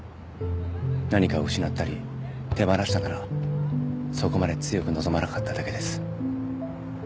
何かを失ったり手放したならそこまで強く望まなかっただけです